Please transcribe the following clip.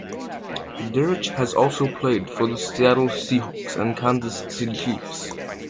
Darche has also played for the Seattle Seahawks and Kansas City Chiefs.